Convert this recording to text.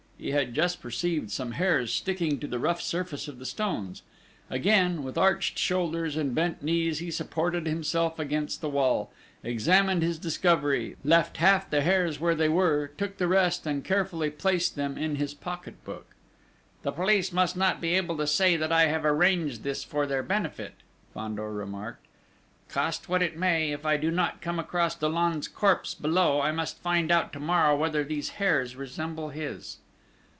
He had just perceived some hairs sticking to the rough surface of the stones. Again, with arched shoulders and bent knees, he supported himself against the wall, examined his discovery, left half the hairs where they were, took the rest, and carefully placed them in his pocket book: "The police must not be able to say that I have arranged this for their benefit," Fandor remarked. "Cost what it may, if I do not come across Dollon's corpse below, I must find out to morrow whether these hairs resemble his."